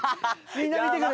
みんな見てくれよ。